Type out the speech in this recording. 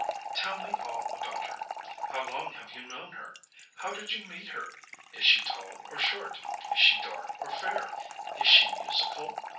"Tell me all about her. How long have you known her? How did you meet her? Is she tall or short? Is she dark or fair? Is she musical?